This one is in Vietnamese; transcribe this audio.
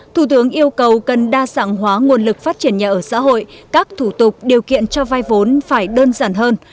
thủ tướng yêu cầu cần đa sẵn hóa nguồn lực phát triển nhà ở xã hội các thủ tục điều kiện cho vai vốn phải đơn giản hơn